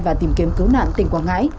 và tìm kiếm cứu nạn tỉnh quảng ngãi